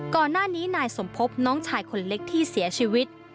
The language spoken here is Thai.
ก่อนหน้านี้นายสมพบน้องชายคนเล็กที่เสียชีวิต